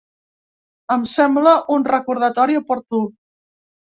Em sembla un recordatori oportú.